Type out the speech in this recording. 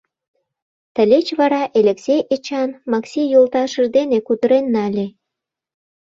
Тылеч вара Элексей Эчан Макси йолташыж дене кутырен нале.